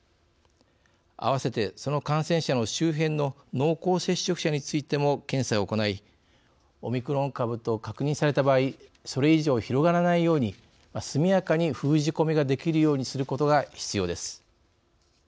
併せて、その感染者の周辺の濃厚接触者についても検査を行いオミクロン株と確認された場合それ以上、広がらないように速やかに封じ込めができるようにすることが必要です。